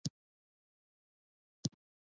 د پوهنتون ازموینې د محصل وړتیا ښيي.